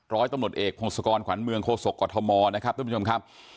ร้อยตำรวจเอกพงศกรขวัญเมืองโคศกกรทมนะครับท่านผู้ชมครับ